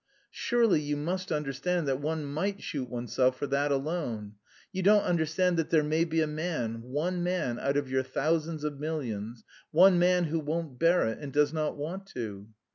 "Surely you must understand that one might shoot oneself for that alone? You don't understand that there may be a man, one man out of your thousands of millions, one man who won't bear it and does not want to."